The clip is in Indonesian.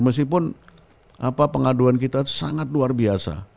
meskipun pengaduan kita itu sangat luar biasa